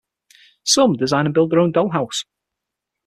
Some design and build their own dollhouse.